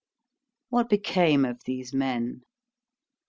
What became of these men?